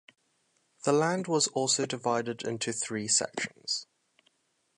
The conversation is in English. The land was also divided into three sections.